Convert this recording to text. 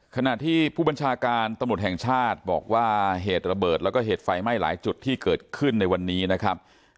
ขณะที่ผู้บัญชาการตำรวจแห่งชาติบอกว่าเหตุระเบิดแล้วก็เหตุไฟไหม้หลายจุดที่เกิดขึ้นในวันนี้นะครับ